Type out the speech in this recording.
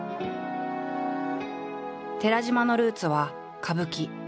寺島のルーツは歌舞伎。